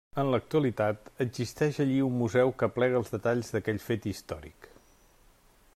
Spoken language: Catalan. En l'actualitat, existeix allí un museu que aplega els detalls d'aquell fet històric.